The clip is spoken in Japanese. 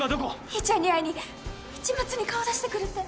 兄ちゃんに会いに市松に顔出してくるって。